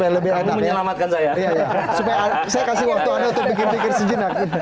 saya kasih waktu anda untuk bikin pikir sejenak